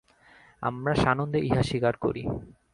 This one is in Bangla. আমরা সানন্দে ইহা স্বীকার করি।